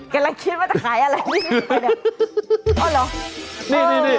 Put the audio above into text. กำลังคิดว่าจะขายอะไรดีไปเดี๋ยว